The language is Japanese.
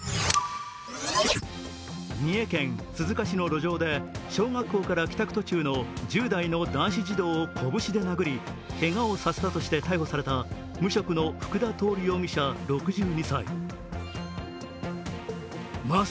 三重県鈴鹿市の路上で小学校から帰宅途中の１０代の男子児童を拳で殴り、けがをさせたとして逮捕された無職の福田亨容疑者、６２歳。